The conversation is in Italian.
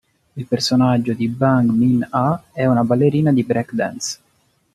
Il personaggio di Bang Min-ah è una ballerina di break dance.